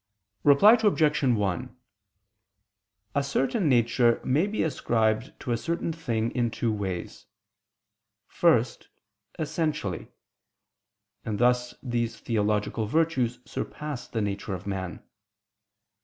Reply Obj. 1: A certain nature may be ascribed to a certain thing in two ways. First, essentially: and thus these theological virtues surpass the nature of man.